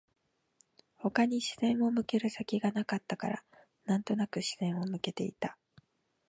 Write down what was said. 他に視線を向ける先がなかったから、なんとなく視線を向けていた